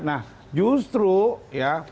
nah justru ya